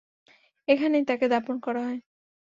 এখানেই তাকে দাফন করা হয়।